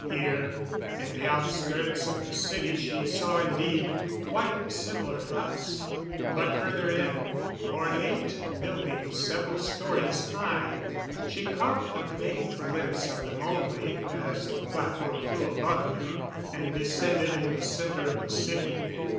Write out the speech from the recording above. Here, in the outskirts of the city, she saw indeed, quite similar huts. But further in ornate buildings several stories high. She caught a vague glimpse of them only, as the platform flew above them and descended in the center of the city.